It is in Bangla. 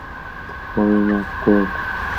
তাহলে মাফ করে দিতে শেখো।